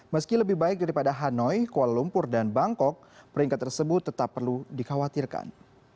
meski lebih baik daripada hanoi kuala lumpur dan bangkok peringkat tersebut tetap perlu dikhawatirkan